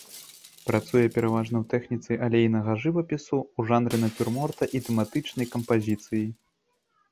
Працуе пераважна ў тэхніцы алейнага жывапісу, у жанры нацюрморта і тэматычнай кампазіцыі.